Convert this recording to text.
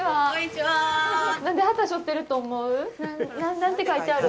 何て書いてある？